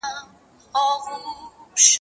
زه مخکې کار کړی و!.